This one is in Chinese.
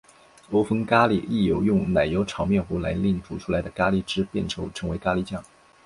欧风咖哩亦有用奶油炒面糊来令煮出来的咖喱汁变稠成为咖喱酱。